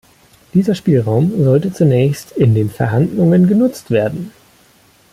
Dieser Spielraum sollte zunächst in den Verhandlungen genutzt werden.